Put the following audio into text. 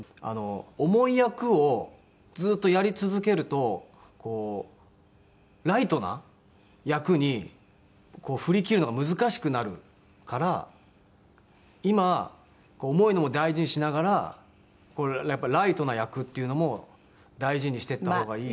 重い役をずっとやり続けるとライトな役に振り切るのが難しくなるから今重いのも大事にしながらやっぱりライトな役っていうのも大事にしていった方がいいし。